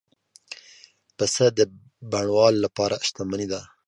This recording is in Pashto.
پسه د بڼوال لپاره شتمني ده.